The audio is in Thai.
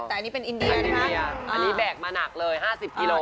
อันนี้แบบมาหนักเลย๕๐คิโล